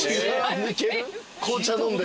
紅茶飲んで。